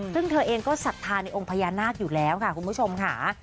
ซึ่งเธอเองก็ศรัทธาในองค์พญานาคอยู่แล้วค่ะคุณผู้ชมค่ะ